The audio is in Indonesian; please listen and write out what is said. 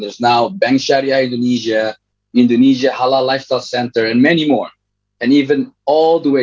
sekarang bank syariah indonesia indonesia halal lifestyle center dan banyak lagi dan bahkan